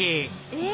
えっ？